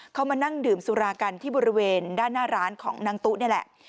เขามานั่งดื่มสุรากันที่บริเวณด้านหน้าร้านของนางตุ๊นี่แหละ